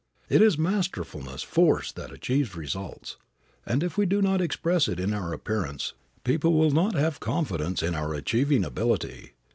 It is masterfulness, force, that achieves results, and if we do not express it in our appearance people will not have confidence in our achieving ability.